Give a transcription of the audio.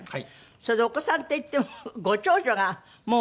それでお子さんといってもご長女がもう。